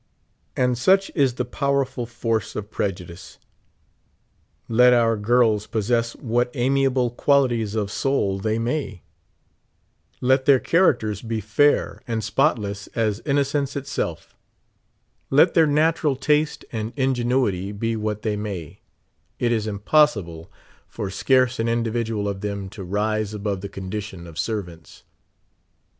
And such is the powerful force of prejudice. Let our girls possess what amiable qualities of soul they may ; 56 let their characters be fair and spotless as innocence itself; let their natural taste and ingenuity be what they may, it is impossible for scarce an individual of them to rise above the condition of servants.